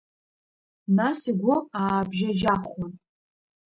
Нас игәы аабжьажьахуан.